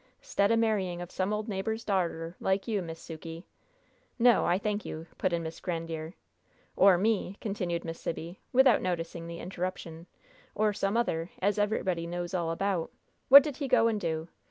'Stead o' marrying of some old neighbor's darter, like you, Miss Sukey " "No, I thank you!" put in Miss Grandiere. "Or me," continued Miss Sibby, without noticing the interruption, "or some other, as everybody knows all about, what did he go and do?